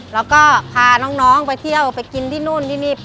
แล้วก็พาน้องไปเที่ยวไปกินที่นู่นที่นี่